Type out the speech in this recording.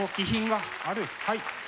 はい。